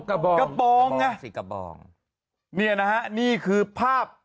กระปองสิกระปองนี่นะฮะนี่คือภาพ